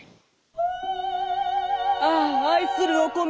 ああ愛するお米。